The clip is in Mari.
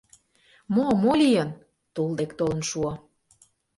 — Мо, мо лийын? — тул дек толын шуо.